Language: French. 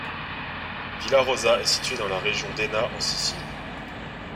Villarosa est situé dans la région d'Enna en Sicile.